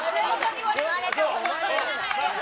言われたくないな。